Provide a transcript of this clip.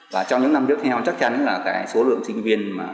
và trong những năm tiếp theo chắc chắn là cái số lượng sinh viên